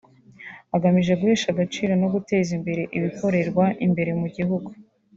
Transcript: igamije guhesha agaciro no guteza imbere ibikorerwa imbere mu gihugu